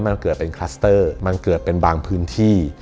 มันเกิดเป็นคลัสเตอร์มันเกิดเป็นบางพื้นที่